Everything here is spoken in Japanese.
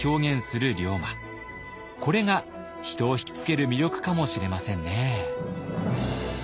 これが人をひきつける魅力かもしれませんね。